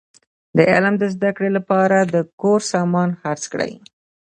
د علم د زده کړي له پاره د کور سامان خرڅ کړئ!